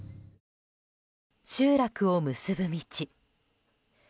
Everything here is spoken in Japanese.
集落を結ぶ道。